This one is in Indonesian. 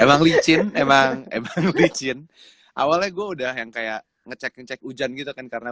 emang licin emang emang licin awalnya gue udah yang kayak ngecek ngecek hujan gitu kan karena